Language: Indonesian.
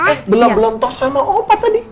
eh belum belum tos sama opa tadi